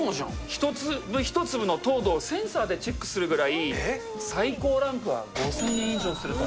一粒一粒の糖度をセンサーでチェックするぐらい、最高ランクは５０００円以上すると。